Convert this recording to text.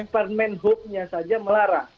kita berdebat permen hope nya saja melarang